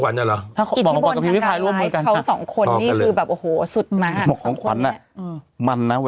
ไอนี่ของขวัญกันรึ